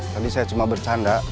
tadi saya cuma bercanda